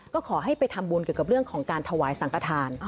ก็ขอให้ไปทำบุญเกี่ยวกับเรื่องของการถวายสังกฐาน